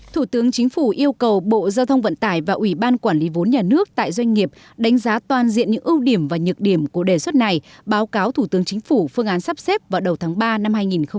thủ tướng chính phủ yêu cầu bộ giao thông vận tải và ủy ban quản lý vốn nhà nước tại doanh nghiệp đánh giá toàn diện những ưu điểm và nhược điểm của đề xuất này báo cáo thủ tướng chính phủ phương án sắp xếp vào đầu tháng ba năm hai nghìn hai mươi